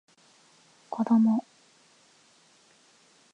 子供